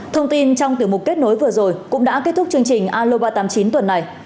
thông tin trong tử mục kết nối vừa rồi cũng đã kết thúc chương trình aloba tám mươi chín tuần này